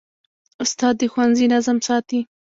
استاد د ښوونځي نظم ساتي.